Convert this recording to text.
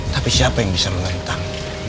tapi siapa yang bisa menantang